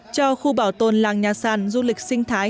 cho khu bảo tồn làng nhà sàn du lịch sinh thái